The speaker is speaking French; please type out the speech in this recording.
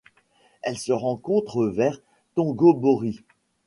Elle se rencontre vers Tongobory.